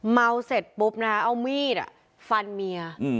เมาเสร็จปุ๊บน่ะเอามีดอ่ะฟันเมียอืม